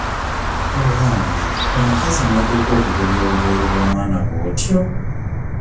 Owange omukazi n'otuuka okugubya obugoye bw'omwana bw'otyo!